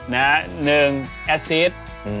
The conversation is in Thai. นะฮะหนึ่งแอสซีส